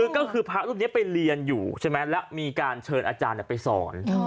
ก็คือพระรูปนี้ไปเรียนอยู่ใช่ไหมแล้วมีการเชิญอาจารย์ไปสอน